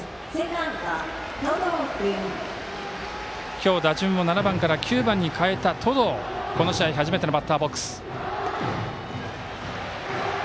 今日打順を７番から９番に変えた登藤、この試合初めてのバッターボックス。